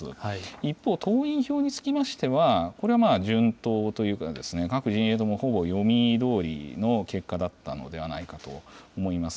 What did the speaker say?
一方、党員票につきましては、これは順当というかですね、各陣営とも、ほぼ読みどおりの結果だったのではないかと思います。